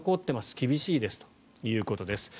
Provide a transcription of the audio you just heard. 厳しいですということです。